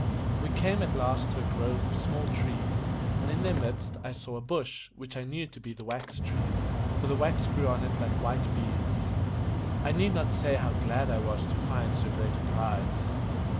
We came at last to a grove of small trees, and in their midst I saw a bush, which I knew to be the wax tree, for the wax grew on it like white beads. I need not say how glad I was to find so great a prize.